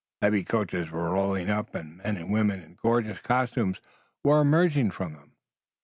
Heavy coaches were rolling up, and men and women in gorgeous costumes were emerging from them.